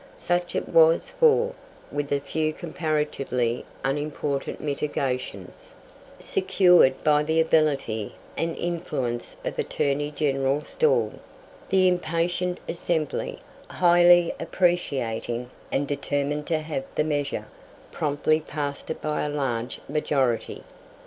Such it was, for, with a few comparatively unimportant mitigations, secured by the ability and influence of Attorney General Stawell, the impatient Assembly, highly appreciating and determined to have the measure, promptly passed it by a large majority.